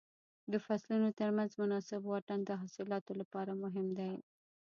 د فصلونو تر منځ مناسب واټن د حاصلاتو لپاره مهم دی.